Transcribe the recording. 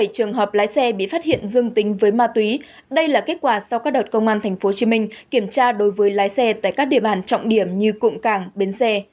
hai mươi trường hợp lái xe bị phát hiện dương tính với ma túy đây là kết quả sau các đợt công an tp hcm kiểm tra đối với lái xe tại các địa bàn trọng điểm như cụm cảng bến xe